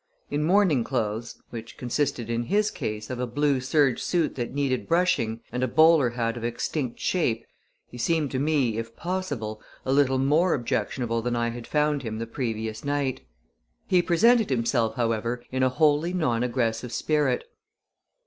In morning clothes, which consisted in his case of a blue serge suit that needed brushing and a bowler hat of extinct shape, he seemed to me, if possible, a little more objectionable than I had found him the previous night. He presented himself, however, in a wholly non aggressive spirit.